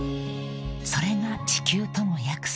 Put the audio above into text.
［それが地球との約束］